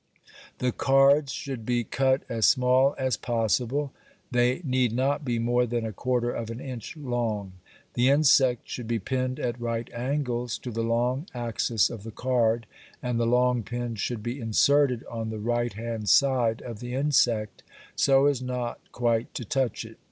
The cards should be cut as small as possible; they need not be more than a quarter of an inch long. The insect should be pinned at right angles to the long axis of the card, and the long pin should be inserted on the right hand side of the insect so as not quite to touch it.